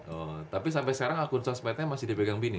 oh tapi sampe sekarang akun sosmednya masih dipegang bini